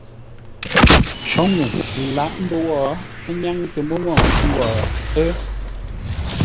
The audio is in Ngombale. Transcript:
Cǒ ŋuu lǎʼ mbə́ wó, ə́ nyáŋ tə mə́ ngwô nkwʉ́ wó, ə́.